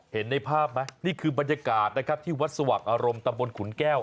เห็นในภาพไหมนี่คือบรรยากาศนะครับที่วัดสว่างอารมณ์ตำบลขุนแก้ว